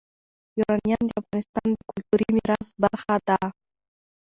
یورانیم د افغانستان د کلتوري میراث برخه ده.